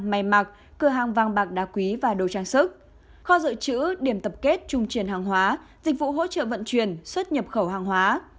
may mặc cửa hàng vàng bạc đá quý và đồ trang sức kho dự trữ điểm tập kết trung truyền hàng hóa dịch vụ hỗ trợ vận chuyển xuất nhập khẩu hàng hóa